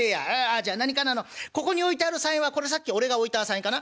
じゃあ何かなここに置いてある３円はこれさっき俺が置いた３円かな？」。